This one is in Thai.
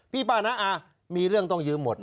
พี่ป้านะอ่ามีเรื่องต้องยืมหมด